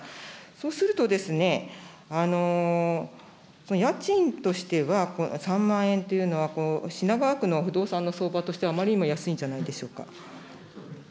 そうするとですね、家賃としては３万円というのは、品川区の不動産の相場としてはあまりにも安いんじゃないでしょうか。